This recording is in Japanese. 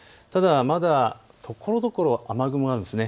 ただ、まだところどころ雨雲が。